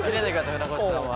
船越さんは。